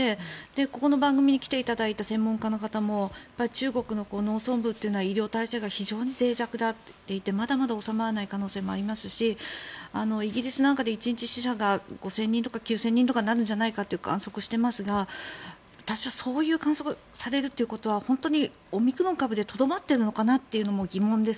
ここに来ていただいた専門家の方も中国の農村部というのは医療体制が非常にぜい弱だといっていてまだまだ収まらない可能性もありますしイギリスでは１日死者が５０００人とか９０００人になるのではと観測していますが私はそういう観測がされるのは本当にオミクロン株でとどまっているのかなというのも疑問です。